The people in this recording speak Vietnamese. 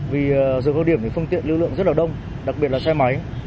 vì giờ cao điểm thì phương tiện lưu lượng rất là đông đặc biệt là xe máy